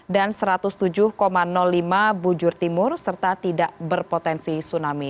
dan satu ratus tujuh lima bujur timur serta tidak berpotensi tsunami